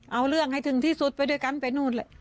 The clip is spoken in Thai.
เอาเรื่องให้ถึงที่สุดไปด้วยกันไปนู่นแหละ